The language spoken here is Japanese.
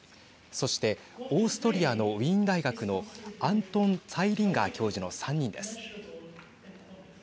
そしてオーストリアのウィーン大学のアントン・ツァイリンガー教授の３人です。